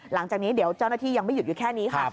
หลังจากนี้เดี๋ยวเจ้าหน้าที่ยังไม่หยุดอยู่แค่นี้ค่ะ